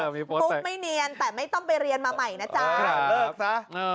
มุกไม่เนียนแต่ไม่ต้องไปเรียนมาใหม่นะจ๊ะ